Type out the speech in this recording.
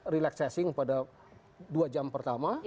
relaxasing pada dua jam pertama